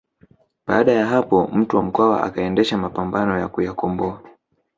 Baada ya hapo Mtwa Mkwawa akaendesha mapambano ya kuyakomboa